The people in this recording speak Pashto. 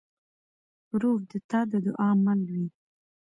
ورور د تا د دعا مل وي.